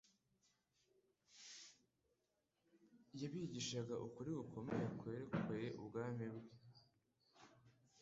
Yabigishaga ukuri gukomeye kwerekoye ubwami bwe.